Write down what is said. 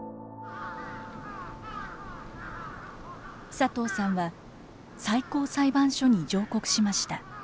佐藤さんは最高裁判所に上告しました。